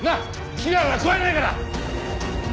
危害は加えないから！